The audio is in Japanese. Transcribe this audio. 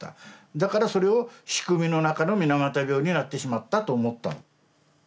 だからそれを「仕組みの中の水俣病」になってしまったと思ったの。